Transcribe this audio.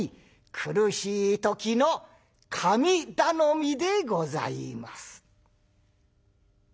苦しい時の神頼みでございます」。